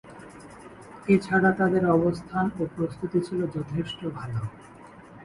এ ছাড়া তাঁদের অবস্থান ও প্রস্তুতি ছিল যথেষ্ট ভালো।